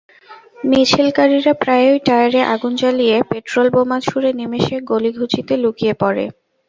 মিছিলকারীরা প্রায়ই টায়ারে আগুন জ্বালিয়ে, পেট্রলবোমা ছুড়ে নিমেষে গলিঘুঁচিতে লুকিয়ে পড়ে।